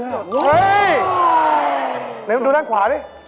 เฮ้ยหนีมาดูด้านขวานิ